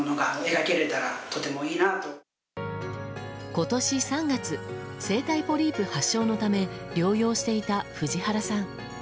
今年３月声帯ポリープ発症のため療養していた藤原さん。